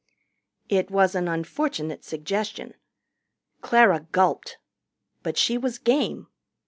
It was an unfortunate suggestion. Clara gulped. But she was game.